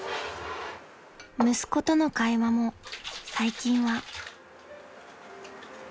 ［息子との会話も最近は］